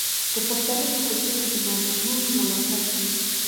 د پښتنو په کلتور کې د مظلوم ملاتړ کیږي.